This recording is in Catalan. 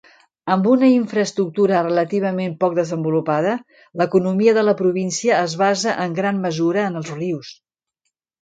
Amb una infraestructura relativament poc desenvolupada, l'economia de la província es basa en gran mesura en els rius.